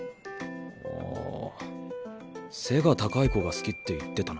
ああ背が高い子が好きって言ってたな。